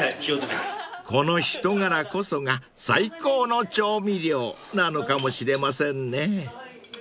［この人柄こそが最高の調味料なのかもしれませんね］